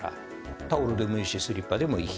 タオルでもいいしスリッパでもいい。